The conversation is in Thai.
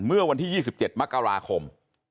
เมื่อวันที่๒๗มกราคม